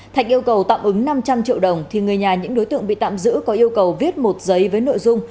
thạch yêu cầu tạm ứng năm trăm linh triệu đồng thì người nhà những đối tượng bị tạm giữ có yêu cầu viết một giấy với nội dung